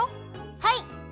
はい。